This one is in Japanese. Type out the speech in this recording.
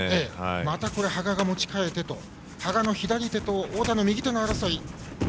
また羽賀が持ち替えて羽賀の左手と太田の右手の争い。